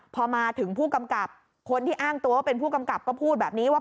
พอมาถึงผู้กำกับคนที่อ้างตัวว่าเป็นผู้กำกับก็พูดแบบนี้ว่า